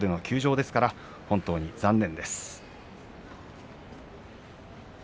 ここでの休場ですから本当に残念です。